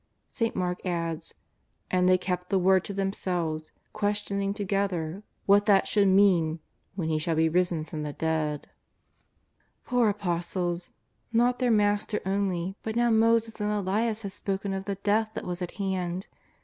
St. ]\lark adds : "And they kept the word to them selves, questioning together what that should mean ^ when He shall be risen from the dead/ " Poor Apostles ! not their blaster only, but now Moses and Elias had spoken of the Death that was at hand.